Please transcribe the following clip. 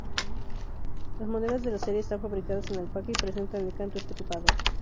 Las monedas de la serie están fabricadas en alpaca y presentan el canto estriado.